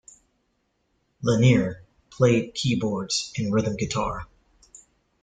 Lanier played keyboards and rhythm guitar.